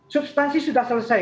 substansi sudah selesai